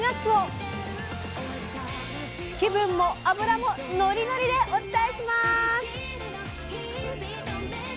気分も脂もノリノリでお伝えします！